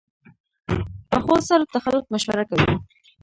پخو سړو ته خلک مشوره کوي